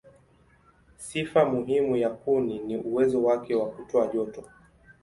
Sifa muhimu ya kuni ni uwezo wake wa kutoa joto.